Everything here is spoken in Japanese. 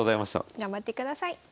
頑張ってください。